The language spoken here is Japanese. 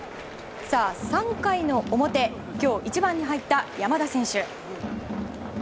３回の表今日、１番に入った山田選手。